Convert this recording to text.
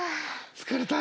疲れた。